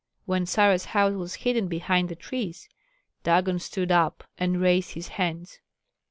When Sarah's house was hidden behind the trees, Dagon stood up and raised his hands.